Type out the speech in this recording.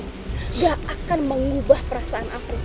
tidak akan mengubah perasaan aku